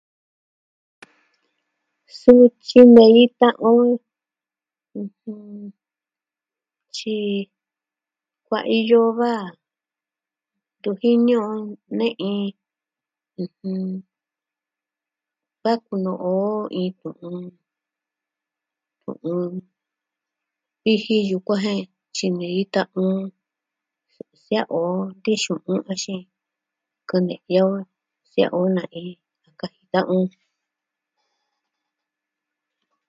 Suu tyinei ta'an on tyi kuaiyo o va ntu jini o ne iin. ɨjɨn... Va kuno'o o iin tu'un. kɨ'ɨn... viji yukuan jen tyinei ta'an on, sia'a o ti'in xu'un axin kɨ'ɨn ne'ya o sia'a o na iin a kaji ta'an on.